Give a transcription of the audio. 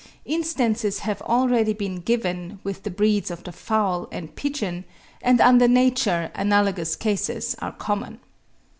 Instances have already been given with the breeds of the fowl and pigeon, and under nature analogous cases are common.